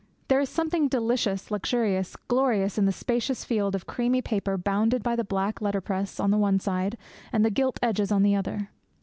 There is something delicious, luxurious, glorious in the spacious field of creamy paper bounded by the black letterpress on the one side and the gilt edges on the other.